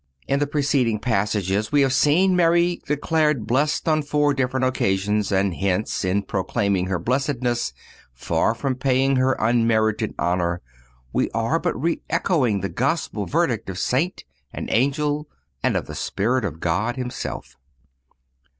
In the preceding passages we have seen Mary declared blessed on four different occasions, and hence, in proclaiming her blessedness, far from paying her unmerited honor, we are but re echoing the Gospel verdict of saint and angel and of the Spirit of God Himself.